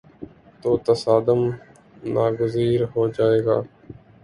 تو تصادم ناگزیر ہو جائے گا۔